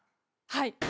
はい。